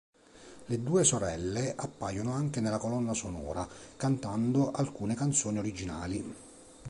Le due sorelle appaiono anche nella colonna sonora cantando alcune canzoni originali.